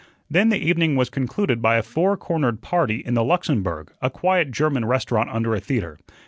Then the evening was concluded by a four cornered party in the Luxembourg, a quiet German restaurant under a theatre.